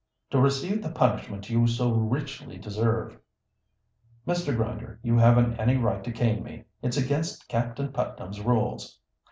"To receive the punishment you so richly deserve." "Mr. Grinder, you haven't any right to cane me. It's against Captain Putnam's rules."